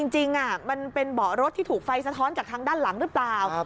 จริงมันเป็นเบาะรถที่ถูกไฟสะท้อนจากทางด้านหลังหรือเปล่า